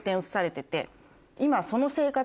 今。